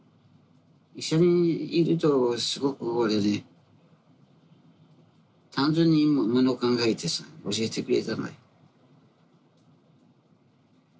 一緒にいるとすごく俺ね単純にもの考えてさ教えてくれたのよ。